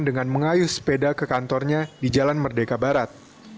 dengan mengayu sepeda ke kantornya di jalan merdeka barat